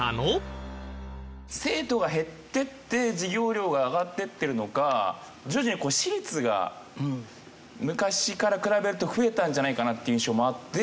生徒が減っていって授業料が上がっていってるのか徐々に私立が昔から比べると増えたんじゃないかなっていう印象もあって。